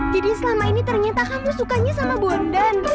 jadi selama ini ternyata kamu sukanya sama bondan